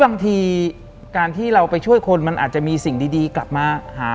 หลังจากนั้นเราไม่ได้คุยกันนะคะเดินเข้าบ้านอืม